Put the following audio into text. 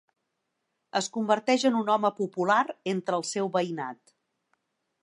Es converteix en un home popular entre el seu veïnat.